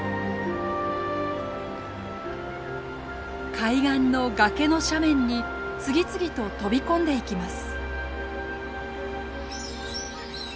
海岸の崖の斜面に次々と飛び込んでいきます。